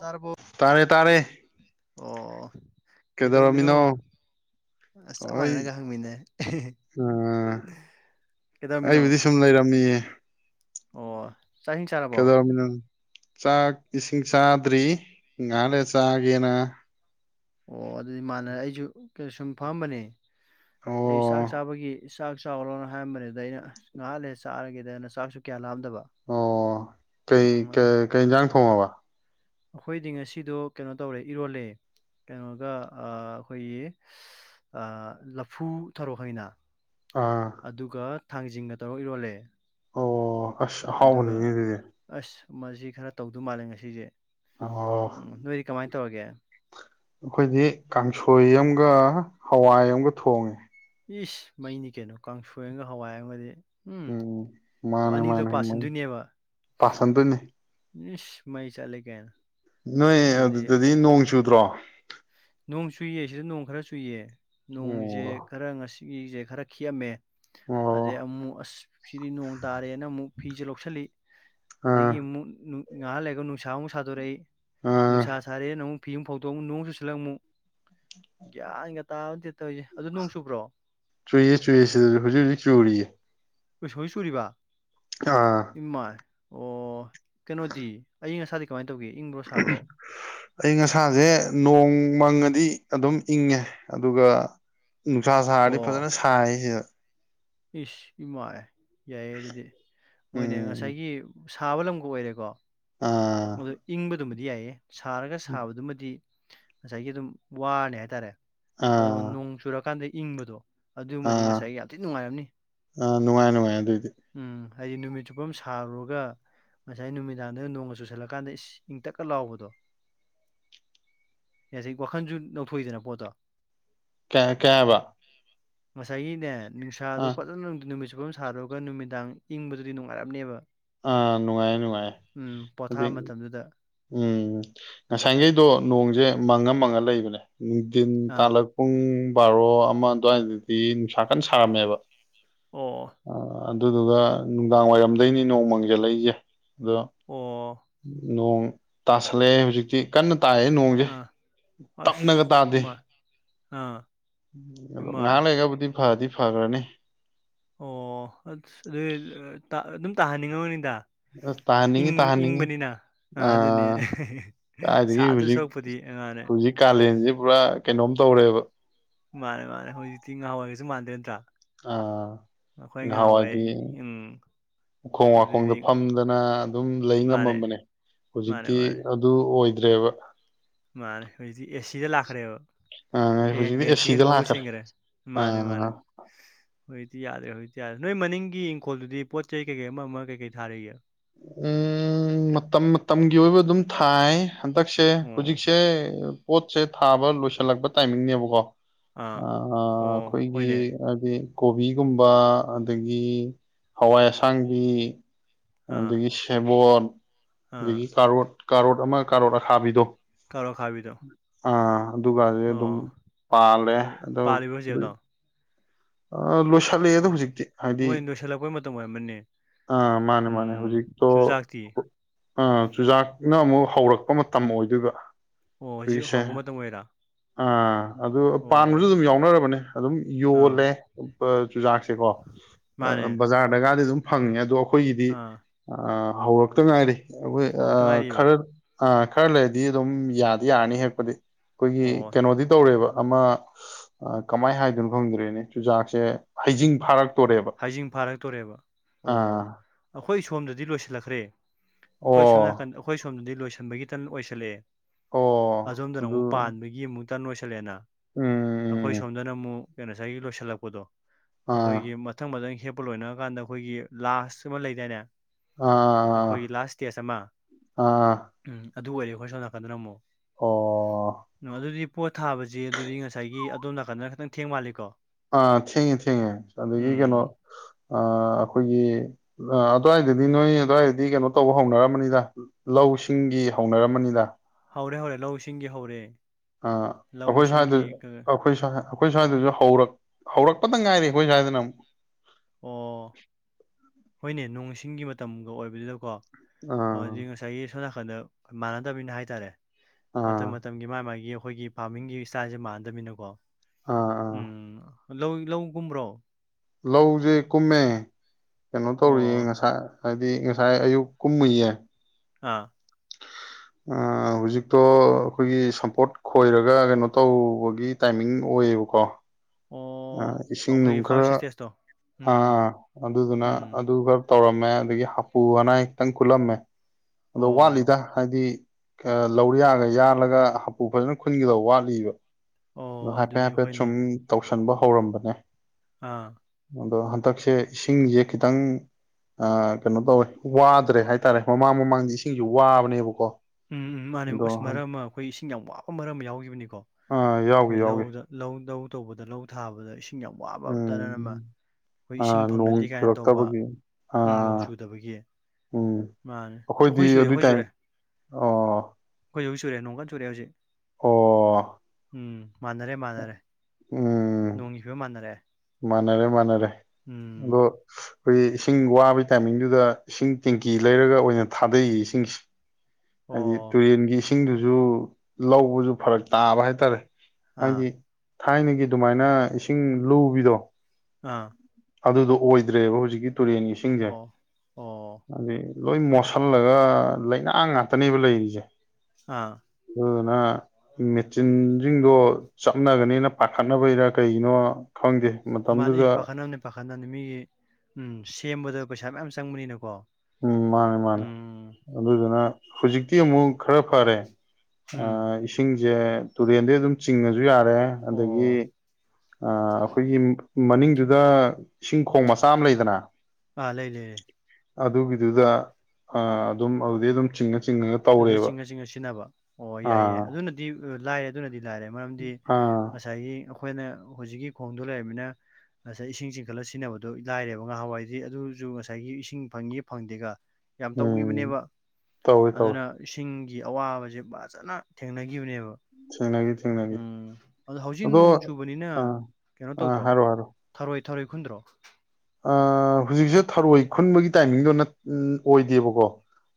ꯇꯥꯔꯕꯣ ꯇꯥꯔꯦ ꯇꯥꯔꯦ ꯀꯩꯗꯧꯔꯝꯃꯤꯅꯣ ꯑꯁ ꯆꯞ ꯍꯣꯏ ꯃꯥꯟꯅꯅꯒ ꯍꯪꯃꯤꯟꯅꯩ ꯑꯥ ꯀꯩꯗꯧꯔꯝꯃꯤꯅꯣ ꯑꯩꯕꯨꯗꯤ ꯁꯨꯝ ꯂꯩꯔꯝꯃꯤꯌꯦ ꯑꯣ ꯆꯥꯛ ꯏꯁꯤꯡ ꯆꯥꯔꯕꯣ ꯀꯩꯗꯧꯃꯤꯅꯣ ꯆꯥꯛ ꯏꯁꯤꯡ ꯆꯥꯗ꯭ꯔꯤ ꯉꯍꯥꯛ ꯂꯩꯔ ꯆꯥꯒꯦꯅ ꯑꯣ ꯑꯗꯨꯗꯤ ꯃꯥꯟꯅꯔ ꯑꯩꯁꯨ ꯀ ꯁꯨꯝ ꯐꯝꯕꯅꯦ ꯑꯣ ꯑꯩ ꯆꯥꯛ ꯆꯥꯕꯒꯤ ꯆꯥꯛ ꯆꯥꯎꯔꯣꯅ ꯍꯥꯏꯔꯝꯕꯅꯤꯗ ꯑꯩꯅ ꯉꯍꯥꯛ ꯂꯩꯔꯒ ꯆꯥꯔꯒꯦꯗ ꯑꯩꯅ ꯆꯥꯛꯁꯨ ꯀꯌꯥ ꯂꯥꯝꯗꯕ ꯑꯣ ꯀꯩ ꯎꯝ ꯀꯩ ꯌꯦꯟꯖꯥꯡ ꯊꯣꯡꯉꯕ ꯑꯩꯈꯣꯏꯗꯤ ꯉꯁꯤꯗꯣ ꯀꯩꯅꯣ ꯇꯧꯔꯦ ꯏꯔꯣꯜꯂꯦ ꯀꯩꯅꯣꯒ ꯑꯩꯈꯣꯏꯒꯤ ꯂꯐꯨ ꯊꯔꯣ ꯈꯪꯉꯤꯅ ꯑꯥ ꯑꯗꯨꯒ ꯊꯥꯡꯖꯤꯡꯒ ꯇꯧꯔ ꯏꯔꯣꯜꯂꯦ ꯑꯣ ꯑꯁ ꯑꯗꯨꯒ ꯑꯍꯥꯎꯕꯅꯤꯅꯦ ꯑꯗꯨꯗꯤ ꯑꯁ ꯃꯁꯤ ꯈꯔ ꯇꯧꯗꯧ ꯃꯥꯜꯂꯦ ꯉꯁꯤꯁꯦ ꯑꯣ ꯎꯝ ꯅꯣꯏꯗꯤ ꯀꯃꯥꯏ ꯇꯧꯔꯒꯦ ꯑꯩꯈꯣꯏꯗꯤ ꯀꯥꯡꯁꯣꯏ ꯑꯃꯒ ꯍꯋꯥꯏ ꯑꯃꯒ ꯊꯣꯡꯉꯦ ꯏꯁ ꯃꯩꯅꯤ ꯀꯩꯅꯣ ꯀꯥꯡꯁꯣꯏ ꯑꯃꯒ ꯍꯋꯥꯏ ꯑꯃꯒꯗꯤ ꯎꯝ ꯑꯣ ꯃꯥꯅꯦ ꯑꯅꯤꯗꯣ ꯃꯥꯅꯦ ꯃꯥꯅꯦ ꯄꯥꯁꯤꯟꯗꯣꯏꯅꯦꯕ ꯄꯥꯁꯟꯗꯣꯏꯅꯤ ꯢꯁ ꯃꯩ ꯆꯠꯂꯦ ꯀꯩꯅꯣ ꯅꯣꯏ ꯑꯗꯨꯗꯗꯤ ꯅꯣꯡ ꯆꯨꯗ꯭ꯔꯣ ꯅꯣꯡ ꯆꯨꯏꯌꯦ ꯁꯤꯗ ꯅꯣꯡ ꯈꯔ ꯆꯨꯏꯌꯦ ꯅꯣꯡꯁꯦ ꯑꯣ ꯈꯔ ꯉꯁꯤ ꯁꯤꯁꯦ ꯈꯔ ꯈꯤꯑꯝꯃꯦ ꯑꯗꯩ ꯑꯣ ꯑꯃꯨꯛ ꯑꯁ ꯁꯤꯗꯤ ꯅꯣꯡ ꯇꯥꯔꯦꯅ ꯑꯃꯨꯛ ꯐꯤꯁꯦ ꯂꯧꯁꯤꯜꯂꯤ ꯑꯥ ꯑꯗꯒꯤ ꯑꯃꯨꯛ ꯉꯥꯢꯍꯥꯛ ꯂꯩꯔꯒ ꯅꯨꯡꯁꯥ ꯑꯃꯨꯛ ꯁꯥꯗꯣꯔꯛꯏ ꯑꯥ ꯅꯨꯡꯁꯥ ꯁꯥꯔꯛꯑꯦ ꯅ ꯑꯃꯨꯛ ꯐꯤ ꯑꯃꯨꯛ ꯐꯧꯗꯣꯛꯑꯣꯅ ꯅꯣꯡ ꯆꯨꯁꯤꯜꯂꯛ ꯑꯃꯨꯛ ꯒ꯭ꯌꯥꯟꯒ ꯇꯥꯗꯦ ꯇꯧꯁꯦ ꯑꯗꯨ ꯅꯣꯡ ꯆꯨꯕ꯭ꯔꯣ ꯆꯨꯌꯦ ꯆꯨꯌꯦ ꯁꯤꯗꯁꯨ ꯍꯧꯖꯤꯛ ꯍꯧꯖꯤꯛ ꯆꯨꯔꯤꯌꯦ ꯢꯁ ꯍꯧꯖꯤꯛ ꯆꯨꯔꯤꯕ ꯑꯥ ꯏꯃꯥꯏ ꯑꯣ ꯀꯩꯅꯣꯗꯤ ꯑꯏꯤꯡ ꯑꯁꯥꯗꯤ ꯀꯃꯥꯏꯅ ꯇꯧꯒꯦ ꯏꯪꯕ꯭ꯔꯣ ꯁꯥꯕ꯭ꯔꯣ ꯑꯢꯤꯡ ꯑꯁꯥꯁꯦ ꯅꯣꯡ ꯃꯪꯉꯗꯤ ꯑꯗꯨꯝ ꯏꯪꯉꯦ ꯑꯗꯨꯒ ꯅꯨꯡꯁꯥ ꯁꯥꯔꯗꯤ ꯑꯣ ꯐꯖꯅ ꯁꯥꯏ ꯁꯤꯗ ꯏꯁ ꯏꯃꯩ ꯌꯥꯏꯌꯦ ꯑꯗꯨꯗꯤ ꯍꯣꯏꯅꯦ ꯎꯝ ꯉꯁꯥꯏꯒꯤ ꯁꯥꯕ ꯂꯝꯒ ꯑꯣꯏꯔꯦꯀꯣ ꯑꯥ ꯑꯗꯨ ꯏꯪꯕꯗꯨꯃꯗꯤ ꯌꯥꯏꯑ ꯁꯥꯔꯒ ꯁꯥꯕꯗꯨꯃꯗꯤ ꯉꯁꯥꯏꯒꯤ ꯑꯗꯨꯝ ꯋꯥꯔꯅꯤ ꯍꯥꯏꯇꯥꯔꯦ ꯑꯗꯨꯒ ꯑꯥ ꯅꯣꯡ ꯆꯨꯔꯀꯥꯟꯗ ꯏꯪꯕꯗꯣ ꯑꯗꯨꯃꯗꯤ ꯑꯥ ꯉꯁꯥꯏ ꯌꯥꯝꯊꯤ ꯅꯨꯡꯉꯥꯏꯔꯝꯅꯤ꯫ ꯑꯥ ꯅꯨꯡꯉꯥꯏ ꯅꯨꯡꯉꯥꯏ ꯑꯗꯨꯏꯗꯤ ꯎꯝ ꯍꯥꯏꯗꯤ ꯅꯨꯃꯤꯠ ꯆꯨꯞꯄ ꯑꯃꯥ ꯁꯥꯔꯨꯔꯒ ꯉꯁꯥꯏ ꯅꯨꯃꯤꯗꯥꯡꯗꯅꯥ ꯅꯣꯡꯒ ꯆꯨꯁꯟ ꯇꯟꯁꯜꯂꯀꯥꯟꯗ ꯏꯁ ꯏꯪꯇꯛꯀ ꯂꯥꯎꯕꯗꯣ ꯌꯥ ꯖꯤ ꯋꯥꯈꯟꯁꯨ ꯅꯩꯊꯣꯛꯏꯗꯅ ꯄꯣꯠꯇꯣ ꯀꯩ ꯀꯩ ꯍꯥꯏꯕ꯫ ꯉꯁꯥꯏꯒꯤꯅꯦ ꯅꯨꯡꯁꯥꯗꯣ ꯑꯥ ꯐꯖꯅ ꯅꯨꯃꯤꯠ ꯆꯨꯄꯝ ꯁꯥꯔꯨꯔꯒ ꯅꯨꯃꯤꯗꯥꯡ ꯏꯪꯕꯗꯨꯗꯤ ꯅꯨꯡꯉꯥꯏꯔꯝꯅꯤꯕ ꯑꯥ ꯅꯨꯡꯉꯥꯏ ꯅꯨꯡꯉꯥꯏ ꯑꯗꯨꯏ ꯄꯣꯊꯥ ꯃꯇꯝꯗꯨꯗ ꯎꯝ ꯉꯁꯥꯏꯒꯩꯗꯣ ꯅꯣꯡꯁꯦ ꯃꯪꯉ ꯃꯪꯉ ꯂꯩꯕꯅꯦ ꯅꯨꯡꯗꯤꯟ ꯑꯥ ꯇꯥꯜꯂꯛ ꯄꯨꯡ ꯕꯥꯔꯣ ꯑꯃ ꯑꯗꯨꯋꯥꯏꯗꯗꯤ ꯅꯨꯡꯁꯥ ꯀꯟꯅ ꯁꯥꯔꯝꯃꯦꯕ ꯑꯣ ꯑꯗꯨꯗꯨꯒ ꯅꯨꯡꯗꯥꯡ ꯋꯥꯏꯔꯝꯗꯩꯅꯤ ꯅꯣꯡ ꯃꯪꯖꯤꯜꯂꯛꯏꯁꯦ ꯑꯗꯣ ꯑꯣ ꯅꯣꯡ ꯇꯥꯁꯜꯂꯛꯑꯦ ꯍꯧꯖꯤꯛꯇꯤ ꯀꯟꯅꯥ ꯇꯥꯌꯦ ꯅꯣꯡꯁꯦ ꯑꯥ ꯑꯁ ꯇꯞꯅꯒ ꯇꯥꯗꯦ ꯏꯃꯥꯏ ꯑꯥ ꯑꯗꯣ ꯏꯃꯥꯏ ꯉꯥꯏꯍꯥꯛ ꯂꯩꯒꯕꯨꯗꯤ ꯐꯗꯤ ꯐꯈ꯭ꯔꯅꯤ ꯑꯣ [unintelligible] ꯑꯗꯨꯒꯤ ꯇꯥ ꯑꯗꯨꯝ ꯇꯥꯍꯟꯅꯤꯡꯉꯝꯃꯅꯤꯗ ꯑꯁ ꯇꯥꯍꯟꯅꯤꯡꯉꯤ ꯏꯪ ꯇꯥꯍꯟꯅꯤꯡꯉꯤ ꯏꯪꯕꯅꯤꯅ ꯑꯥ ꯑ ꯑꯗꯨꯅꯦ ꯁꯥꯗꯧ ꯁꯔꯨꯛ ꯍꯨꯖꯤꯛ ꯀꯥꯂꯦꯟꯖꯦ ꯄꯨꯔꯥ ꯀꯩꯅꯣꯝ ꯇꯧꯔꯦꯕ ꯃꯥꯅꯦ ꯃꯥꯅꯦ ꯍꯧꯖꯤꯛꯇꯤ ꯉꯍꯧꯋꯥꯏꯒꯁꯨ ꯃꯥꯟꯅꯗ꯭ꯔꯦ ꯅꯠꯇ꯭ꯔꯥ ꯑꯥ ꯑꯩꯈꯣꯏ ꯉꯍꯥꯟꯋꯥꯏ ꯑꯪ ꯎꯈꯣꯡ ꯋꯥꯈꯣꯡꯗ ꯐꯝꯗꯅ ꯑꯗꯨꯝ ꯂꯩ ꯃꯥꯅꯦ ꯉꯝꯃꯝꯕꯅꯦ ꯃꯥꯅꯦ ꯍꯧꯖꯤꯛꯇꯤ ꯃꯥꯅꯦ ꯑꯗꯨ ꯑꯣꯏꯗ꯭ꯔꯦꯕ ꯃꯥꯅꯦ ꯍꯧꯖꯤꯛꯇꯤ ꯑꯦ ꯁꯤ ꯗ ꯂꯥꯛꯈ꯭ꯔꯦꯕ꯫ ꯑ ꯍꯧꯖꯤꯛꯇꯤ ꯐꯦꯟꯒ ꯑꯦꯁꯤꯗ ꯑꯦꯁꯤꯒꯅ ꯃꯍꯨꯠ ꯂꯥꯛꯈ꯭ꯔꯦ ꯁꯤꯡꯒꯔꯦ ꯑ ꯃꯥꯅꯦ ꯃꯥꯅꯦ꯫ ꯍꯧꯖꯤꯛꯇꯤ ꯌꯥꯗ꯭ꯔꯦ ꯍꯧꯖꯤꯛꯇꯤ ꯌꯥꯔꯦ ꯅꯣꯏ ꯃꯅꯤꯡꯒꯤ ꯏꯪꯈꯣꯜꯗꯨꯗꯤ ꯄꯣꯠ ꯆꯩ ꯀꯩꯀꯩ ꯑꯃ ꯑꯃ ꯀꯩꯀꯩ ꯊꯥꯔꯤꯒꯦ ꯎꯝ ꯃꯇꯝ ꯃꯇꯝꯒꯤ ꯑꯣꯏꯕ ꯑꯗꯨꯝ ꯊꯥꯏ ꯍꯟꯗꯛꯁꯦ ꯑꯣ ꯍꯨꯖꯤꯛꯁꯦ ꯄꯣꯠꯁꯦ ꯊꯥꯕ ꯂꯣꯏꯁꯜꯂꯛꯄ ꯇꯥꯏꯃꯤꯡꯅꯦꯕꯀꯣ ꯑꯥ ꯑꯣ ꯑꯩꯈꯣꯏꯒꯤ ꯍꯣꯏꯅꯦ ꯍꯥꯏꯗꯤ ꯀꯣꯕꯤꯒꯨꯝꯕ ꯑꯗꯒꯤ ꯍꯋꯥꯏ ꯑꯁꯥꯡꯕꯤ ꯑꯥ ꯑꯗꯒꯤ ꯁꯦꯕꯣꯠ ꯑꯥ ꯑꯗꯒꯤ ꯀꯥꯔꯣꯠ ꯀꯥꯔꯣꯠ ꯑꯃ ꯀꯥꯔꯣꯠ ꯑꯈꯥꯕꯤꯗꯣ ꯀꯔꯣꯠ ꯈꯥꯕꯤꯗꯣ ꯑꯥ ꯑꯗꯨꯒꯗꯤ ꯑꯗꯨꯝ ꯄꯥꯜꯂꯦ ꯑꯗꯨ ꯑꯗꯣ ꯄꯥꯜꯂꯤꯕꯣ ꯍꯧꯖꯤꯛ ꯑꯗꯣ ꯑ ꯂꯣꯏꯁꯜꯂꯛꯑꯦꯗ ꯑꯣ ꯍꯨꯖꯤꯛꯇꯤ ꯍꯥꯏꯗꯤ ꯃꯣꯏ ꯂꯣꯏꯁꯤꯜꯂꯛꯄꯩ ꯃꯇꯝ ꯑꯣꯏꯔꯝꯃꯅꯤ ꯑꯥ ꯃꯟꯅꯦ ꯃꯟꯅꯦ ꯎꯝ ꯍꯧꯖꯤꯛꯛꯇꯣ ꯆꯨꯖꯥꯛꯇꯤ ꯑ ꯆꯨꯖꯥꯛꯅ ꯑꯃꯨꯛ ꯍꯧꯔꯛꯄ ꯃꯇꯝ ꯑꯣꯏꯗꯣꯏꯕ ꯑꯣ ꯍꯧꯖꯤꯛ ꯍꯧꯔꯛꯄ ꯃꯇꯝ ꯑꯣꯏꯔꯥ꯫ ꯑ ꯑꯗꯨ ꯄꯥꯟꯕꯁꯨ ꯑꯣ ꯑꯗꯨꯝ ꯌꯥꯎꯅꯔꯕꯅꯦ ꯑꯗꯨꯝ ꯑꯪ ꯌꯣꯜꯂꯦ ꯆꯨꯖꯥꯛꯁꯦꯀꯣ ꯃꯥꯅꯦ ꯕꯖꯥꯔꯗꯒꯥꯗꯤ ꯑꯗꯨꯝ ꯐꯪꯉꯦ ꯑꯗꯣ ꯑꯩꯈꯣꯏꯒꯤꯗꯤ ꯑꯥ ꯑ ꯍꯧꯔꯛꯇ ꯉꯥꯏꯔꯤ ꯑꯩꯈꯣꯏ ꯑ ꯍꯧꯔꯛꯇ ꯉꯥꯏꯔꯤꯕ ꯈꯔ ꯑꯥ ꯈꯔ ꯂꯩꯔꯗꯤ ꯑꯗꯨꯝ ꯌꯥꯗꯤ ꯌꯥꯔꯅꯤ ꯍꯦꯛꯄꯗꯤ ꯑꯈꯣꯏꯒꯤ ꯑꯣ ꯀꯩꯅꯣꯗꯤ ꯇꯧꯔꯦꯕ ꯑꯃ ꯑ ꯀꯃꯥꯏ ꯍꯥꯏꯗꯣꯏꯅꯣ ꯈꯪꯗ꯭ꯔꯦꯅꯦ ꯆꯨꯖꯥꯛꯁꯦ ꯍꯩꯖꯤꯡ ꯐꯥꯔꯛ ꯍꯩꯖꯤꯡ ꯐꯥꯔꯛꯇꯣꯔꯦꯕ ꯑꯣ ꯑꯥ ꯑꯩꯈꯣꯏ ꯁꯣꯝꯗꯗꯤ ꯂꯣꯏꯁꯤꯜꯂꯛꯈ꯭ꯔꯦ ꯑꯣ ꯑꯩꯈꯣꯏ ꯁꯣꯝ ꯅꯥꯀꯟꯗ ꯑꯩꯈꯣꯏ ꯁꯣꯝꯗꯗꯤ ꯂꯣꯏꯁꯟꯕꯒꯤ ꯇꯔꯟ ꯑꯣꯏꯁꯜꯂꯛꯑꯦ ꯑꯣ ꯑꯗꯣꯝꯗꯅ ꯑꯗꯨ ꯑꯃꯨꯛ ꯄꯥꯟꯕꯒꯤ ꯒꯤ ꯑꯃꯨꯛ ꯇꯟ ꯂꫭꯏꯁꯜꯂꯦꯅ ꯎꯝ ꯑꯈꯣꯏ ꯎꯝ ꯎꯝ ꯁꯣꯝꯗꯅ ꯑꯃꯨꯛ [unintelligible] ꯉꯁꯥꯏꯒꯤ ꯂꯣꯏꯁꯜꯂꯛꯄꯗꯣ ꯑꯥ ꯑꯩꯈꯣꯏꯒꯤ ꯃꯊꯪ ꯃꯊꯪ ꯍꯦꯞꯄ ꯂꯣꯏꯅꯔꯀꯥꯟꯗ ꯑꯩꯈꯣꯏꯒꯤ ꯂꯥꯁ ꯑꯃ ꯂꯩꯗꯥꯏꯅꯦ ꯑꯥ ꯑꯥ ꯑꯩꯈꯣꯏꯒꯤ ꯂꯥꯁ ꯏꯁꯇꯦꯖ ꯑꯃ ꯑꯥ ꯎꯝ ꯑꯗꯨ ꯑꯣꯏꯔꯦ ꯑꯩꯈꯣꯏ ꯁꯣꯝꯅꯥꯀꯟꯗꯅ ꯑꯃꯨꯛ ꯑꯣ ꯑꯗꯨꯗꯤ ꯄꯣꯠ ꯊꯥꯕꯁꯤ ꯑꯗꯨꯗꯤ ꯉꯁꯥꯏꯒꯤ ꯑꯗꯣꯝ ꯅꯥꯀꯟꯗꯅ ꯈꯤꯇꯪ ꯊꯦꯡ ꯃꯥꯜꯂꯤꯀꯣ ꯑꯥ ꯊꯦꯡꯉꯦ ꯊꯦꯡꯉꯦ ꯑꯗꯒꯤ ꯀꯩꯅꯣ ꯎꯝ ꯑꯩꯈꯣꯏꯒꯤ ꯑꯗꯨꯋꯥꯏꯗꯗꯤ ꯅꯣꯏ ꯑꯗꯨꯋꯥꯏꯗꯗꯤ ꯀꯩꯅꯣ ꯇꯧꯕ ꯍꯧꯅꯔꯃꯅꯤꯗ ꯂꯧꯁꯤꯡꯒꯤ ꯍꯧꯅꯔꯝꯃꯅꯤꯅ ꯍꯧꯔꯦ ꯍꯧꯔꯦ ꯂꯧ ꯁꯤꯡꯒꯤ ꯍꯧꯔꯦ ꯑ ꯂꯧ ꯑꯩꯈꯣꯏ ꯁ꯭ꯋꯥꯏꯗ ꯏꯁꯤꯡꯒꯤ ꯀ ꯑꯩꯈꯣꯏ ꯁ꯭ꯋꯥꯏ ꯑꯩꯈꯣꯏ ꯁ꯭ꯋꯥꯏꯗꯁꯨ ꯍꯧꯔꯛ ꯍꯧꯔꯛꯄꯗ ꯉꯥꯏꯔꯤ ꯑꯩꯈꯣꯏ ꯁ꯭ꯋꯥꯏꯗꯅ ꯑꯃꯨꯛ ꯑꯣ ꯍꯣꯏꯅꯦ ꯅꯣꯡꯁꯤꯡꯒꯤ ꯃꯇꯝꯒ ꯑꯣꯏꯕꯗꯨꯗꯀꯣ ꯑꯥ ꯑꯗꯨꯗꯤ ꯉꯁꯥꯏ ꯉꯥꯁꯥꯏꯒꯤ ꯁꯣꯝ ꯅꯥꯀꯟꯗ ꯃꯥꯟꯅꯗꯕꯅꯤꯅ ꯍꯥꯏꯇꯥꯔꯦ ꯃꯇꯝ ꯑꯥ ꯃꯇꯝꯒꯤ ꯃꯥꯒꯤ ꯃꯥꯒꯤ ꯑꯩꯈꯣꯏꯒꯤ ꯐꯥꯔꯃꯤꯡꯒꯤ ꯏꯁꯇꯥꯏꯜꯁꯦ ꯃꯥꯟꯅꯗꯕꯅꯤꯅꯀꯣ ꯑꯥ ꯑꯥ ꯎꯝ ꯂꯧ ꯂꯧꯀꯨꯝꯕ꯭ꯔꯣ ꯂꯧꯁꯦ ꯀꯨꯝꯃꯦ ꯀꯩꯅꯣ ꯇꯧꯔꯤꯌꯦ ꯑꯣ ꯉꯁꯥꯏ ꯍꯥꯏꯗꯤ ꯉꯁꯥꯏ ꯑꯌꯨꯛ ꯀꯨꯝꯃꯨꯏꯌꯦ ꯑꯥ ꯍꯧꯖꯤꯛꯇꯣ ꯑꯩꯈꯣꯏꯒꯤ ꯁꯝꯄꯣꯔꯠ ꯈꯣꯏꯔꯒ ꯀꯩꯅꯣ ꯇꯧꯕꯒꯤ ꯇꯥꯏꯃꯤꯡ ꯑꯣꯏꯌꯦꯕꯀꯣ ꯑꯣ ꯏꯁꯤꯡ ꯅꯨꯡ ꯑꯩꯈꯣꯏꯒꯤ ꯈꯔ ꯐꯥꯔꯁ ꯏꯁꯇꯦꯖꯇꯣ ꯎꯝ ꯑꯥ ꯑꯗꯨꯗꯨꯅ ꯎꯝ ꯑꯗꯨꯒ ꯇꯧꯔꯝꯃꯦ ꯑꯗꯒꯤ ꯍꯥꯄꯨ ꯑꯅꯥꯏ ꯈꯤꯇꯪ ꯈꯨꯠꯂꯝꯃꯦ ꯑꯗꯣ ꯑꯣ ꯋꯥꯠꯂꯤꯗ ꯍꯥꯏꯗꯤ ꯂꯧꯔꯤꯌꯥꯒ ꯌꯥꯜꯂꯒ ꯍꯥꯄꯨ ꯐꯖꯅ ꯈꯨꯟꯒꯗꯕ ꯋꯥꯠꯂꯤꯕ ꯑꯣ ꯍꯥꯏꯐꯦꯠ ꯑꯗꯨꯗꯤ ꯍꯥꯏꯐꯦꯠ ꯍꯣꯏꯅꯦ ꯁꯨꯝ ꯇꯧꯁꯟꯕ ꯍꯧꯔꯝꯕꯅꯦ ꯑꯥ ꯑꯗꯣ ꯍꯟꯗꯛꯁꯦ ꯏꯁꯤꯡꯁꯦ ꯈꯤꯇꯪ ꯑ ꯀꯩꯅꯣ ꯇꯧꯋꯦ ꯋꯥꯗ꯭ꯔꯦ ꯍꯥꯏꯇꯥꯔꯦ ꯃꯃꯥꯡ ꯃꯃꯥꯡꯗꯤ ꯏꯁꯤꯡꯁꯤ ꯋꯥꯕꯅꯦꯕꯀꯣ ꯎꯝ ꯎꯝ ꯃꯥꯅꯦ ꯑꯗꯣ ꯑꯁ ꯃꯔꯛ ꯑꯃ ꯑꯩꯈꯣꯏ ꯏꯁꯤꯡ ꯌꯥꯝ ꯋꯥꯕ ꯃꯔꯛ ꯑꯃ ꯌꯥꯎꯈꯤꯕꯅꯤꯀꯣ ꯑꯥ ꯌꯥꯎꯒꯦ ꯑꯩꯈꯣꯏ ꯌꯥꯎꯒꯦ ꯂꯧꯗ ꯂꯧ ꯂꯧ ꯇꯧꯕꯗ ꯂꯧ ꯊꯥꯕꯗ ꯏꯁꯤꯡ ꯌꯥꯝ ꯋꯥꯕ ꯇꯔꯟ ꯎꯝ ꯑꯃ ꯑꯩꯈꯣꯏ ꯏꯁꯤꯡ ꯑꯥ ꯅꯣꯡ ꯐꯪꯅꯗꯦ ꯀꯥꯏꯅ ꯇꯧꯕ ꯆꯨꯔꯛꯇꯕꯒꯤ ꯅꯣꯡ ꯑꯥ ꯆꯨꯗꯕꯒꯤ ꯎꯝ ꯃꯥꯅꯦ ꯑꯩꯈꯣꯏꯗꯤ ꯑꯩꯈꯣꯏ ꯁꯨꯔꯦ ꯑꯗꯨꯏ ꯑꯩꯈꯣꯏ ꯇꯥꯏꯝ ꯁꯨꯔꯦ ꯑꯣ ꯑꯩꯈꯣꯏ ꯍꯧꯖꯤꯛ ꯁꯨꯔꯦ ꯅꯣꯡ ꯀꯥꯟ ꯆꯨꯔꯦ ꯍꯧꯖꯤꯛ ꯑꯣ ꯑꯣ ꯎꯝ ꯃꯥꯟꯅꯔꯦ ꯃꯥꯟꯅꯔꯦ ꯎꯝ ꯅꯣꯡꯆꯨꯕ ꯃꯥꯟꯅꯔꯦ ꯃꯥꯟꯅꯔꯦ ꯃꯥꯟꯅꯔꯦ ꯑꯗꯣ ꯑꯩꯈꯣꯏ ꯏꯁꯤꯡ ꯋꯥꯕꯒꯤ ꯇꯥꯏꯃꯤꯡꯗꯨꯗ ꯏꯁꯤꯡ ꯇꯦꯡꯀꯤ ꯂꯩꯔꯒ ꯑꯣꯏꯅ ꯊꯥꯗꯩꯌꯦ ꯏꯁꯤꯡ ꯍꯥꯏꯗꯤ ꯑꯣ ꯇꯨꯔꯦꯟꯒꯤ ꯏꯁꯤꯡꯗꯨꯁꯨ ꯂꯧꯕꯁꯨ ꯐꯔꯛ ꯇꯥꯕ ꯍꯥꯏꯇꯥꯔꯦ ꯑꯥ ꯍꯥꯏꯗꯤ ꯊꯥꯏꯅꯒꯤ ꯑꯗꯨꯃꯥꯏꯅ ꯏꯁꯤꯡ ꯂꯨꯕꯤꯗꯣ ꯑꯥ ꯑꯗꯨꯗꯣ ꯑꯣꯏꯗ꯭ꯔꯦꯕ ꯍꯧꯖꯤꯛꯀꯤ ꯇꯨꯔꯦꯟꯒꯤ ꯏꯁꯤꯡꯁꯦ ꯑꯣ ꯑꯣ ꯍꯥꯢꯗꯤ ꯂꯣꯏ ꯃꯣꯠꯁꯤꯜꯂꯒ ꯂꯩꯥꯏꯅꯡ ꯉꯥꯛꯇꯅꯦꯕ ꯂꯩꯔꯤꯁꯦ ꯑꯥ ꯍꯅꯥ ꯃꯦꯆꯤꯟꯁꯤꯡꯗꯣ ꯆꯞꯅꯒꯅꯤꯅ ꯄꯥꯈꯠꯅꯕꯒꯤꯔ ꯀꯩꯒꯤꯅꯣ ꯈꯪꯗꯦ ꯃꯥꯅꯦ ꯃꯇꯝꯗꯨꯗ ꯄꯥꯈꯠ ꯑꯃꯅꯦ ꯄꯥꯈꯠꯅꯤ ꯃꯤꯒꯤ ꯎꯝ ꯁꯦꯝꯕꯗ ꯄꯩꯁꯥ ꯃꯌꯥꯝ ꯆꯪꯕꯅꯤꯅꯀꯣ ꯎꯝ ꯃꯥꯅꯤ ꯃꯥꯅꯦ ꯎꯝ ꯑꯗꯨꯗꯨꯅ ꯍꯧꯖꯤꯛꯇꯤ ꯑꯃꯨꯛ ꯈꯔ ꯐꯔꯦ ꯎꯝ ꯏꯁꯤꯡꯁꯦ ꯇꯨꯔꯦꯟꯗꯒꯤ ꯑꯗꯨꯝ ꯆꯤꯡꯉꯁꯨ ꯌꯥꯔꯦ ꯑꯗꯒꯤ ꯑꯣ ꯑꯩꯈꯣꯏꯒꯤ ꯃꯅꯤꯡꯗꯨꯗ ꯏꯁꯤꯡ ꯈꯣꯡ ꯃꯆꯥ ꯑꯃ ꯂꯩꯗꯅ ꯑꯥ ꯂꯩ ꯂꯩ ꯂꯩ ꯑꯗꯨꯒꯤꯗꯨꯗ ꯑ ꯑꯗꯨꯝ ꯑꯗꯨꯗꯩ ꯑꯗꯨꯝ ꯆꯤꯡꯉ ꯆꯤꯡꯉꯒ ꯑꯗꯨꯗꯩ ꯇꯧꯔꯦꯕ ꯆꯤꯡꯉ ꯆꯤꯡꯉ ꯁꯤꯖꯤꯟꯅꯕ ꯑꯣ ꯌꯥꯏ ꯌꯥꯏ ꯑꯥ ꯑꯗꯨꯅꯗꯤ ꯂꯥꯏꯌꯦ ꯑꯗꯨꯅꯗꯤ ꯂꯥꯏꯔꯦ ꯃꯔꯝꯗꯤ ꯑꯥ ꯉꯁꯥꯏꯒꯤ ꯑꯩꯈꯣꯏꯅ ꯍꯧꯖꯤꯛꯀꯤ ꯈꯣꯡꯗꯣ ꯂꯩꯔꯝꯅꯤꯅ ꯉꯁꯥꯏ ꯏꯁꯤꯡ ꯆꯤꯡꯈꯠꯂ ꯁꯤꯖꯤꯟꯅꯕꯗꯣ ꯂꯥꯏꯔꯦꯕ ꯉꯍꯥꯟꯋꯥꯏꯗꯤ ꯑꯗꯨꯖꯨ ꯉꯁꯥꯏꯒꯤ ꯏꯁꯤꯡ ꯐꯪꯉꯤ ꯐꯪꯗꯦꯒ ꯌꯥꯝ ꯎꯝ ꯇꯧꯒꯤꯕꯅꯦꯕ ꯇꯧꯋꯦ ꯇꯧꯋꯦ ꯑꯗꯨꯅ ꯏꯁꯤꯡꯒꯤ ꯑꯋꯥꯕꯖꯦ ꯐꯖꯅ ꯊꯦꯡꯅꯒꯤꯕꯅꯦꯕ ꯊꯦꯡꯅꯈꯤ ꯊꯦꯡꯅꯈꯤ ꯎꯝ ꯑꯗꯨ ꯍꯧꯖꯤꯛ ꯑꯗꯣ ꯅꯣꯡ ꯆꯨꯕꯅꯤꯅ ꯑꯥ ꯀꯩꯅꯣ ꯑꯥ ꯇꯧꯗ꯭ꯔꯣ ꯍꯥꯏꯔꯣ ꯍꯥꯏꯔꯣ ꯊꯔꯣꯏ ꯊꯔꯣꯏ ꯈꯨꯨꯟꯗ꯭ꯔꯣ ꯑ ꯍꯧꯖꯤꯛꯁꯨ ꯊꯔꯣꯏ ꯈꯨꯟꯕꯒꯤ ꯇꯥꯏꯃꯤꯡꯗꯣ ꯅꯠ ꯑꯣꯏꯗꯦꯕꯀꯣ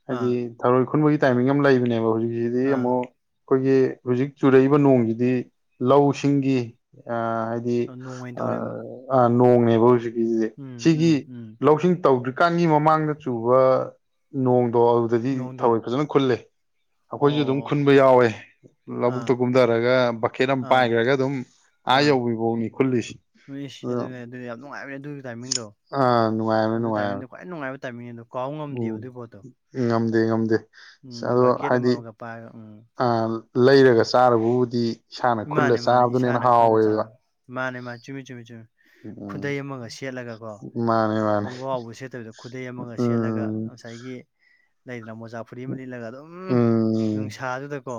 ꯍꯥꯏꯗꯤ ꯑꯥ ꯊꯔꯣꯏ ꯈꯨꯟꯕꯒꯤ ꯇꯥꯏꯃꯤꯡ ꯑꯃ ꯂꯩꯕꯅꯦꯕ ꯍꯧꯖꯤꯛꯁꯤꯗꯤ ꯑꯥ ꯑꯃꯨꯛ ꯑꯩꯈꯣꯏꯒꯤ ꯍꯧꯖꯤꯛ ꯆꯨꯔꯛꯏꯕ ꯅꯣꯡꯖꯤꯗꯤ ꯂꯧꯁꯤꯡꯒꯤ ꯑ ꯅꯣꯡ ꯑꯣꯏꯅ ꯇꯧꯔꯦꯕ [unintelligible] ꯑ ꯅꯣꯡꯅꯦꯕ ꯍꯧꯖꯤꯛꯀꯤꯖꯤꯗꯤ ꯎꯝ ꯁꯤꯒꯤ ꯎꯝ ꯎꯝ ꯂꯧꯁꯤꯡ ꯇꯧꯗ꯭ꯔꯤ ꯀꯥꯟꯒꯤ ꯃꯃꯥꯡꯗ ꯆꯨꯕ ꯅꯣꯡꯗꯣ ꯑꯗꯨꯗꯗꯤ ꯅꯣꯡꯗꯣ ꯊꯔꯣꯏ ꯐꯖꯅ ꯈꯨꯜꯂꯦ ꯑꯩꯈꯣꯏꯖꯨ ꯑꯗꯨꯝ ꯑꯣ ꯈꯨꯟꯕ ꯌꯥꯎꯋꯦ ꯂꯧꯕꯨꯛꯇ ꯑꯥ ꯀꯨꯝꯊꯔꯒ ꯕꯛꯀꯦꯠ ꯑꯃ ꯑꯥ ꯄꯥꯏꯈ꯭ꯔꯒ ꯑꯗꯨꯝ ꯑꯥ ꯌꯧꯕꯤꯕꯧꯅꯤ ꯈꯨꯜꯂꯤꯁꯤ꯫ ꯏꯁ ꯑꯗꯣ ꯑꯗꯨꯅꯦ ꯑꯗꯨꯗꯤ ꯌꯥꯝ ꯅꯨꯡꯉꯥꯏꯕꯅꯦ ꯑꯗꯨꯒꯤ ꯇꯥꯏꯃꯤꯡꯗꯣ ꯑꯥ ꯅꯨꯡꯉꯥꯏꯕꯅꯤ ꯑꯗꯨꯒꯤ ꯇꯥꯏꯃꯤꯡꯗꯣ ꯅꯨꯡꯉꯥꯏꯕꯅꯤ ꯈ꯭ꯋꯥꯏ ꯅꯨꯡꯉꯥꯏꯕ ꯇꯥꯏꯃꯤꯡꯅꯦ ꯑꯗꯣ ꯀꯥꯎ ꯉꯝꯗꯦꯕ ꯎꯝ ꯑꯗꯨꯏ ꯄꯣꯠꯇꯣ ꯉꯝꯗꯦ ꯉꯝꯗꯦ꯫ ꯎꯝ ꯕꯛꯀꯦꯠ ꯑꯃꯃꯒ ꯄꯥꯏꯕ ꯎꯝ꯫ ꯑ ꯂꯩꯔꯒ ꯆꯥꯔꯕꯨꯗꯤ ꯏꯁꯥꯅ ꯈꯨꯜꯂ ꯃꯥꯅꯦ ꯃꯥꯅꯦ ꯆꯥꯕꯗꯨꯅ ꯍꯅ ꯏꯁꯥꯅ ꯑꯩꯈꯣꯏ ꯍꯥꯎꯋꯦꯕ ꯃꯆꯥꯅ ꯫ ꯃꯥꯅꯦ ꯃꯥ ꯆꯨꯃꯤ ꯆꯨꯝꯃꯤ ꯆꯨꯝꯃꯤ꯫ ꯎꯝ ꯈꯨꯗꯩ ꯑꯃꯒ ꯁꯦꯠꯂꯒ ꯀꯣ ꯃꯥꯅꯦ ꯃꯥꯅꯦ ꯈꯣꯡꯒꯥ ꯁꯦꯠꯇꯕꯤꯗ ꯈꯨꯗꯩ ꯑꯃꯒ ꯁꯦꯠꯂꯒ ꯑꯁ ꯎꯝ ꯉꯁꯥꯏꯒꯤ꯫ ꯂꯩꯗꯅ ꯃꯣꯖꯥ ꯐꯨꯔꯤ ꯑꯃ ꯂꯤꯠꯂꯒ ꯑꯗꯨꯝ ꯎꯝ ꯅꯨꯡꯁꯥꯗꯨꯗꯀꯣ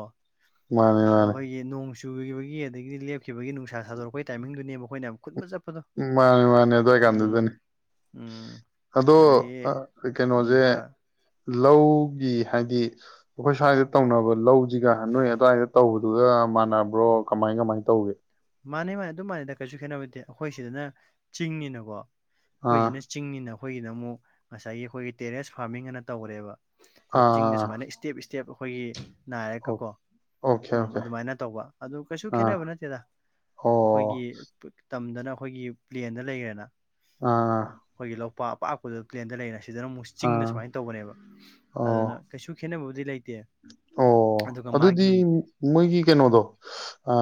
ꯃꯥꯅꯦ ꯃꯥꯅꯦ ꯑꯩꯈꯣꯏ ꯅꯣꯡ ꯆꯨꯈꯤꯕꯒꯤ ꯑꯗꯒꯤ ꯂꯦꯞꯈꯤꯕꯒꯤ ꯅꯨꯡꯁꯥ ꯁꯥꯗꯣꯔꯛꯄꯒꯤ ꯇꯥꯏꯃꯤꯡꯗꯨꯅꯦꯕ ꯑꯩꯈꯣꯏꯅ ꯈꯨꯠ ꯕ ꯆꯞꯄ ꯃꯥꯅꯦ ꯃꯥꯅꯦ ꯑꯗꯥꯏ ꯀꯥꯟꯗꯨꯗꯅꯤ ꯎꯝ ꯑꯗꯣ ꯑꯗꯒꯤ ꯑ ꯎꯝ ꯀꯩꯅꯣꯁꯦ꯫ ꯍꯥꯏꯔꯣ ꯂꯧꯒꯤ ꯍꯥꯏꯗꯤ ꯑꯩꯈꯣꯏ ꯁ꯭ꯋꯥꯏꯗ ꯇꯧꯅꯕ ꯂꯧꯁꯤꯒ ꯅꯣꯏ ꯑꯗꯨꯋꯥꯏꯗ ꯇꯧꯕ ꯑꯗꯨꯒ ꯃꯥꯟꯅꯕ꯭ꯔꯣ ꯀꯃꯥꯏ ꯀꯃꯥꯏꯅ ꯇꯧꯒꯦ꯫ ꯃꯥꯅꯦ ꯃꯥꯅꯦ ꯑꯗꯨꯝ ꯃꯥꯟꯅꯗ ꯀꯩꯁꯨ ꯈꯦꯠꯅꯕꯗꯦ ꯑꯩꯈꯣꯏ ꯁꯤꯗꯅ ꯆꯤꯡꯅꯤꯅꯀꯣ ꯑꯥ ꯑꯩꯈꯣꯏꯁꯤꯅ ꯆꯤꯡꯅꯤꯅ ꯑꯩꯈꯣꯏꯒꯤꯗ ꯑꯃꯨꯛ ꯉꯁꯥꯏꯒꯤ ꯑꯩꯈꯣꯏꯒꯤ ꯇꯦꯔꯦꯁ ꯐꯥꯔꯃꯤꯡ ꯑꯅ ꯇꯧꯔꯦꯕ꯫ ꯑꯩꯈꯣꯏ ꯆꯤꯡꯗ ꯑꯥ ꯁꯨꯃꯥꯏꯅ ꯏꯁꯇꯦꯞ ꯏꯁꯇꯦꯞ ꯑꯩꯈꯣꯏꯒꯤ꯫ ꯑꯣ ꯅꯥꯏꯔꯀꯀꯣ ꯑꯣꯀꯦ ꯎꯝ ꯑꯣꯀꯦ ꯑꯗꯨꯃꯥꯏꯅ ꯇꯧꯕ ꯑꯗꯨ ꯀꯩꯁꯨ ꯑꯥ ꯈꯦꯠꯅꯕ ꯅꯠꯇꯦꯗ꯫ ꯑꯩꯈꯣꯏꯒꯤ ꯑꯣ ꯇꯝꯗꯅ ꯑꯩꯈꯣꯏꯒꯤ ꯄ꯭ꯂꯦꯟꯗ ꯂꯩꯈ꯭ꯔꯦꯅ ꯑꯥ꯫ ꯑꯩꯈꯣꯏꯒꯤ ꯂꯣꯛꯄꯥꯛ ꯑꯄꯥꯛꯄꯗ ꯄ꯭ꯂꯦꯟꯗ ꯂꯩꯅ ꯁꯤꯗꯅ ꯑꯃꯨꯛ ꯆꯤꯡꯗ ꯑꯥ ꯁꯨꯃꯥꯏꯅ ꯇꯧꯕꯅꯦꯕ ꯑꯣ ꯑꯗꯨꯅ ꯀꯩꯁꯨ ꯈꯦꯠꯅꯕꯕꯨꯗꯤ ꯂꯩꯇꯦ꯫ ꯑꯣ ꯑꯗꯨꯒ ꯑꯗꯨꯗꯤ ꯃꯥꯒꯤ ꯃꯣꯏꯒꯤ ꯀꯩꯅꯣꯗꯣ꯫ ꯑ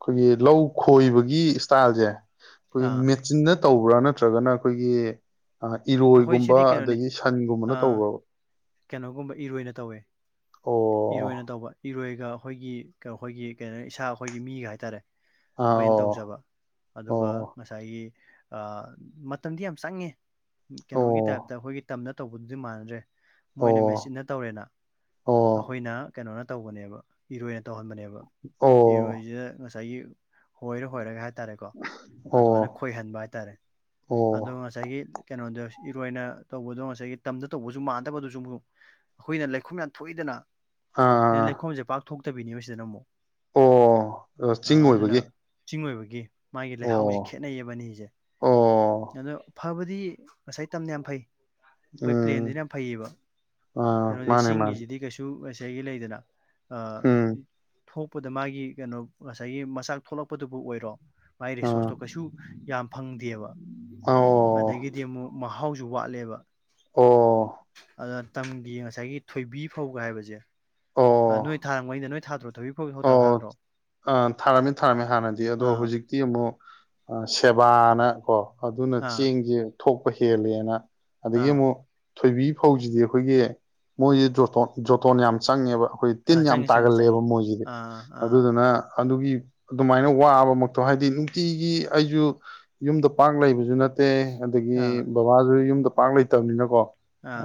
ꯑꯩꯈꯣꯏꯒꯤ ꯂꯧ ꯈꯣꯏꯕꯒꯤ ꯏꯁꯇꯥꯏꯜꯁꯦ꯫ ꯑꯥ ꯑꯩꯈꯣꯏꯒꯤ ꯃꯦꯆꯤꯟꯗ ꯇꯧꯕ꯭ꯔꯥ ꯅꯠꯇ꯭ꯔꯒꯅ ꯑꯩꯈꯣꯏꯒꯤ ꯑꯩꯈꯣꯏ ꯏꯔꯣꯏꯒꯨꯝꯕ ꯁꯤꯗꯤ ꯀꯩꯅꯣꯅꯤ ꯑꯗꯒꯤ ꯁꯟꯒꯨꯝꯕꯅ ꯑꯥ ꯇꯧꯕ꯭ꯔꯕ꯫ ꯀꯩꯅꯣꯒꯨꯝꯕ ꯏꯔꯣꯏꯅ ꯇꯧꯋꯦ꯫ ꯑꯣ꯫ ꯏꯔꯣꯏꯅ ꯇꯧꯕ ꯏꯔꯣꯏꯒ ꯑꯩꯈꯣꯏꯒꯤ ꯑꯩꯈꯣꯏꯒꯤ ꯀꯩꯅꯣ ꯏꯁꯥ ꯑꯩꯈꯣꯏꯒꯤ ꯃꯤꯒ ꯍꯥꯏꯇꯥꯔꯦ꯫ ꯑꯥ ꯑꯩꯈꯣꯏꯅ ꯇꯧꯖꯕ꯫ ꯑꯗꯨꯒ ꯑꯣ ꯉꯁꯥꯏꯒꯤ ꯃꯇꯝꯗꯤ ꯌꯥꯝ ꯆꯪꯉꯦ꯫ ꯀꯩꯅꯣꯒꯤ ꯑꯣ ꯇꯥꯏꯞꯇ ꯑꯩꯈꯣꯏꯒꯤ ꯇꯝꯅ ꯇꯧꯕꯗꯨꯗꯤ ꯃꯥꯟꯅꯗ꯭ꯔꯦ꯫ ꯑꯣ ꯃꯣꯏꯅ ꯃꯦꯆꯤꯟꯅ ꯇꯧꯔꯦꯅ ꯑꯣ ꯑꯩꯈꯣꯏꯅ꯫ ꯀꯩꯅꯣꯅ ꯇꯧꯕꯅꯦꯕ ꯏꯔꯣꯏꯅ ꯇꯧꯍꯟꯕꯅꯦꯕ ꯑꯣ ꯑꯣ ꯏꯔꯣꯏꯁꯤꯗ ꯉꯁꯥꯏ ꯉꯁꯥꯏꯒꯤ ꯍꯣꯏꯔꯦ ꯍꯣꯏꯔꯒ ꯍꯥꯏ ꯍꯥꯏꯇꯥꯔꯦꯀꯣ ꯑꯗꯨꯃꯥꯏꯅ ꯑꯣ ꯈꯣꯏꯍꯟꯕ ꯍꯥꯏꯇꯥꯔꯦ ꯑꯗꯣ ꯑꯣ ꯉꯁꯥꯏꯒꯤ ꯀꯩꯅꯣꯗ ꯏꯔꯣꯏꯅ ꯇꯧꯕꯗꯣ ꯉꯁꯥꯏꯒꯤ ꯇꯝꯗ ꯇꯧꯕꯁꯨ ꯃꯥꯟꯅꯗꯕꯗꯨꯁꯨ ꯑꯩꯈꯣꯏꯅ ꯂꯩꯈꯣꯝ ꯌꯥꯝ ꯊꯣꯛꯏꯗꯅ ꯁꯤꯅ ꯑꯥ ꯂꯩꯈꯣꯝꯁꯦ ꯄꯥꯛꯊꯣꯛꯇꯕꯤꯅꯦꯕ ꯁꯤꯗꯅ ꯑꯃꯨꯛ ꯑꯣ ꯑ ꯆꯤꯡ ꯑꯗꯨꯅ ꯑꯣꯏꯕꯒꯤ ꯆꯤꯡ ꯑꯣꯏꯕꯒꯤ ꯃꯥꯒꯤ ꯂꯩꯍꯥꯎꯁꯦ ꯑꯣ ꯈꯦꯠꯅꯩꯌꯦꯕꯅꯤꯁꯦ ꯑꯣ ꯑꯗꯣ ꯐꯕꯗꯤ ꯉꯁꯥꯏ ꯇꯝꯅ ꯌꯥꯝ ꯐꯩ ꯍꯣꯏ ꯎꯝ ꯄ꯭ꯂꯦꯟꯖꯤꯅ ꯐꯩꯌꯦꯕ ꯑꯥ ꯀꯩꯅꯣꯗꯤ ꯃꯥꯅꯦ ꯃꯥꯅꯦ ꯆꯤꯡꯒꯤꯁꯤꯗꯤ ꯀꯩꯁꯨ ꯉꯁꯥꯏꯒꯤ ꯂꯩꯗꯅ ꯑ ꯎꯝ ꯊꯣꯛꯄꯗ ꯃꯥꯒꯤ ꯀꯩꯅꯣ ꯉꯁꯥꯏꯒꯤ ꯃꯆꯥꯛ ꯊꯣꯛꯂꯛꯄꯗꯨꯕꯨ ꯑꯣꯏꯔꯣ ꯃꯥꯏ ꯑꯥ ꯔꯤꯁꯣꯔꯁꯇꯣ ꯀꯩꯁꯨ ꯌꯥꯝ ꯐꯪꯗꯦꯕ ꯑꯣ ꯑꯗꯒꯤ ꯃꯍꯥꯎꯁꯨ ꯋꯥꯠꯂꯦꯕ ꯑꯣ ꯑꯗ ꯇꯝꯒꯤ ꯉꯁꯥꯏꯒꯤ ꯊꯣꯏꯕꯤ ꯐꯥꯎꯒ ꯍꯥꯏꯕꯁꯦ ꯑ ꯅꯣꯏ ꯑꯣ ꯊꯥꯔꯉꯩꯩꯅ ꯅꯣꯏ ꯊꯥꯗ꯭ꯔꯣ ꯊ ꯑꯣ ꯑ ꯊꯥꯔꯝꯃꯦ ꯊꯥꯔꯝꯃꯦ ꯍꯥꯟꯅꯗꯤ ꯑꯗꯣ ꯑꯥ ꯍꯧꯖꯤꯛ ꯇꯤ ꯑꯃꯨꯛ ꯁꯦꯕꯥꯅ ꯀꯣ ꯑꯗꯨꯅ ꯑꯥ ꯆꯦꯡꯖ ꯊꯣꯛꯄ ꯍꯦꯜꯂꯦꯅ ꯑꯗꯒꯤ ꯑꯥ ꯑꯃꯨꯛ ꯊꯣꯏꯕꯤ ꯐꯧꯁꯤꯗꯤ ꯑꯩꯈꯣꯏꯒꯤ ꯃꯣꯏꯖꯦ ꯖꯣꯇꯣꯟ ꯌꯥꯝ ꯆꯪꯉꯦꯕ ꯑꯩꯈꯣꯏ ꯇꯤꯟ ꯑꯥ ꯌꯥꯝ ꯆꯪꯉꯤ ꯆꯪꯉꯤ ꯇꯥꯒꯜꯂꯦꯕ ꯆꯪꯉꯤ ꯃꯣꯏꯁꯤꯗꯤ ꯑꯥ ꯑꯥ ꯑꯗꯨꯗꯨꯅ ꯑꯗꯨꯒꯤ ꯑꯗꯨꯃꯥꯏꯅ ꯋꯥꯕꯃꯛꯇꯣ ꯍꯥꯏꯗꯤ ꯅꯨꯡꯇꯤꯒꯤ ꯑꯩꯁꯨ ꯌꯨꯝꯗ ꯄꯥꯛ ꯂꯩꯕꯁꯨ ꯅꯠ ꯇꯦ ꯑꯗꯒꯤ ꯑꯥ ꯕꯕꯥꯁꯨ ꯌꯨꯝꯗ ꯄꯥꯛ ꯂꯩꯇꯕꯅꯤꯅꯀꯣ ꯑꯥ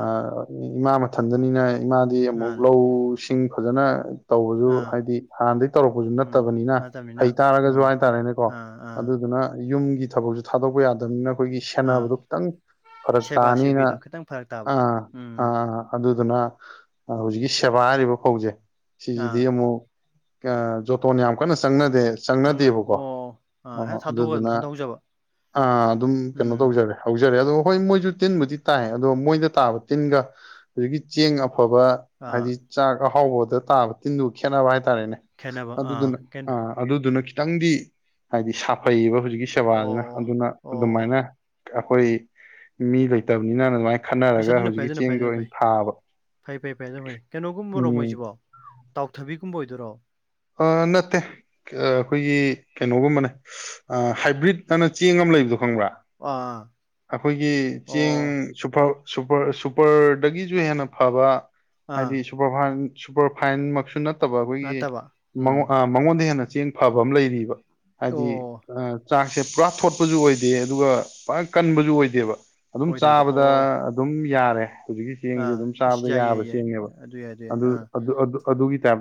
ꯏꯃꯥ ꯃꯊꯟꯗꯅꯤꯅ ꯏꯃꯥꯗꯤ ꯑꯃꯨꯛ ꯃꯥꯅꯦ ꯂꯧꯁꯤꯡ ꯐꯖꯅ ꯇꯧꯕꯁꯨ ꯑꯥ ꯍꯥꯏꯗꯤ ꯍꯥꯟꯅꯗꯒꯤ ꯇꯧꯔꯛꯄꯁꯨ ꯎꯝ ꯅꯠꯇꯕꯅꯤꯅ ꯅꯠꯇꯕꯅꯤꯅ ꯍꯩ ꯇꯥꯔꯒꯁꯨ ꯑꯥ ꯍꯥꯏꯇꯥꯔꯦꯅꯦꯀꯣ ꯑꯥ ꯑꯥ ꯑꯗꯨꯗꯨꯅ ꯌꯨꯝꯒꯤ ꯊꯕꯛꯁꯨ ꯊꯥꯗꯣꯛꯄ ꯌꯥꯗꯕꯅꯤꯅ ꯑꯩꯈꯣꯏꯒꯤ ꯑꯥ ꯁꯦꯟꯅꯕꯗꯣ ꯈꯤꯇꯪ ꯐꯔꯛ ꯁꯦꯕꯥ ꯇꯥꯅꯤꯅ ꯁꯦꯕꯤꯗꯣ ꯈꯤꯇꯪ ꯐꯔꯛ ꯑ ꯇꯥꯕ ꯎꯝ ꯑꯥ ꯑꯗꯨꯗꯨꯅ ꯍꯧꯖꯤꯛꯀꯤ ꯁꯦꯕꯥ ꯍꯥꯏꯔꯤꯕ ꯐꯧꯁꯦ ꯑꯥ ꯁꯤꯖꯤꯗꯤ ꯑꯃꯨꯛ ꯖꯣꯇꯣꯟ ꯌꯥꯝ ꯀꯟꯅ ꯆꯪꯅꯗꯦ ꯆꯪꯗꯕ ꯆꯪꯅꯗꯦꯕꯀꯣ ꯑꯣ ꯑꯥ ꯑꯣ ꯍꯦꯛ ꯊꯥꯗꯣꯛꯑꯒ ꯑꯗꯨꯗꯨꯅ ꯃꯊꯟꯇ ꯍꯧꯖꯕ ꯑꯗꯨꯝ ꯀꯩꯅꯣ ꯎꯝ ꯇꯧꯖꯔꯦ ꯍꯧꯖꯔꯦ ꯑꯗꯣ ꯍꯣꯏ ꯃꯣꯏꯁꯨ ꯇꯤꯟꯕꯨꯗꯤ ꯇꯥꯏ ꯑꯗꯣ ꯃꯣꯏꯗ ꯇꯥꯕ ꯇꯤꯟꯒ ꯍꯧꯖꯤꯛꯀꯤ ꯆꯦꯡ ꯑꯐꯕ ꯑꯥ ꯍꯥꯏꯗꯤ ꯆꯥꯛ ꯑꯍꯥꯎꯕꯗ ꯇꯥꯕ ꯇꯤꯟꯗꯨꯒ ꯈꯦꯠꯅꯕ ꯍꯥꯏꯇꯥꯔꯦꯅꯦ ꯈꯦꯠꯅꯕ ꯑꯥ ꯑꯗꯨꯗꯨꯅ ꯑ ꯑꯗꯨꯗꯨꯅ ꯈꯤꯇꯪꯗꯤ ꯍꯥꯏꯗꯤ ꯁꯥꯐꯩꯌꯦꯕ ꯍꯧꯖꯤꯛꯀꯤ ꯁꯦꯕꯥꯁꯤꯅ ꯑꯣ ꯑꯗꯨꯅ ꯑꯣ ꯑꯗꯨꯃꯥꯏꯅ ꯑꯩꯈꯣꯏ ꯃꯤ ꯂꯩꯇꯕꯅꯤꯅ ꯑꯗꯨꯃꯥꯏꯅ ꯑꯁꯥ ꯈꯟꯅꯔꯒ ꯑꯗꯨꯅ ꯐꯩ ꯍꯧꯖꯤꯛꯀꯤ ꯑꯗꯨꯅ ꯐꯩ ꯆꯦꯡꯗꯣ ꯑꯗꯨꯅ ꯑꯣꯏꯅ ꯐꯩ ꯊꯥꯕ ꯐꯩ ꯐꯩ ꯐꯩ ꯑꯗꯨ ꯐꯩ ꯀꯩꯅꯣꯒꯨꯝꯕꯔꯣ ꯎꯝ ꯃꯣꯏꯁꯤꯕꯣ ꯇꯥꯎꯊꯕꯤꯒꯨꯝꯕ ꯑꯣꯏꯗꯣꯏꯔꯣ ꯅꯠꯇꯦ ꯑꯩꯈꯣꯏꯒꯤ ꯀꯩꯅꯣꯒꯨꯝꯕꯅꯦ ꯍꯥꯏꯕ꯭ꯔꯤꯠ ꯑꯅ ꯆꯦꯡ ꯑꯃ ꯂꯩꯕꯗꯣ ꯈꯪꯕ꯭ꯔꯥ ꯑꯥ ꯑꯩꯈꯣꯏꯒꯤ ꯆꯦꯡ ꯑꯣ ꯁꯨꯔ ꯁꯨꯄꯔ ꯁꯨꯄꯔꯗꯒꯤꯁꯨ ꯍꯦꯟꯅ ꯐꯕ ꯑꯥ ꯍꯥꯏꯗꯤ ꯁꯨꯄꯔꯐꯥꯏꯟ ꯁꯨꯄꯔꯐꯥꯏꯟꯃꯛꯁꯨ ꯅꯠꯇꯕ ꯑꯩꯈꯣꯏꯒꯤ ꯅꯠꯇꯕ ꯎꯝ ꯃꯉꯣꯟꯗ ꯍꯦꯟꯅ ꯆꯦꯡ ꯐꯕ ꯑꯃ ꯂꯩꯔꯤꯕ ꯍꯥꯏꯗꯤ ꯑꯣ ꯆꯥꯛꯁꯦ ꯄꯨꯔꯥ ꯊꯣꯠꯄꯁꯨ ꯑꯣꯏꯗꯦ ꯑꯗꯨꯒ ꯄꯨꯔꯥ ꯀꯟꯕꯁꯨ ꯑꯣꯏꯗꯦꯕ ꯑꯗꯨꯝ ꯑꯣꯏꯗꯕꯤꯗ ꯆꯥꯕꯗ ꯑꯣ ꯑꯗꯨꯝ ꯌꯥꯔꯦ ꯍꯧꯖꯤꯛꯀꯤ ꯆꯦꯡꯁꯦ ꯑꯥ ꯑꯗꯨꯝ ꯏꯁ ꯆꯥꯕ ꯌꯥꯏ ꯌꯥꯕ ꯌꯥꯏ ꯌꯥꯏ ꯆꯦꯡꯅꯦꯕ ꯌꯥꯏ ꯌꯥꯏ ꯑꯗꯨ ꯑꯥ ꯑꯗꯨꯒꯤ ꯇꯥꯏꯞꯇ